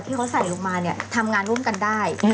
ที่เขาใส่ลงมาเนี่ยทำงานร่วมกันได้